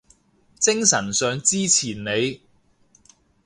精神上支持你